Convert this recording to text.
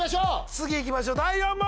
次いきましょう第４問。